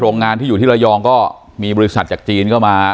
งานที่อยู่ที่ระยองก็มีบริษัทจากจีนเข้ามา